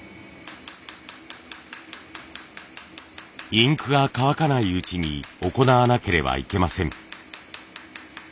インクが乾かないうちに行わなければいけません。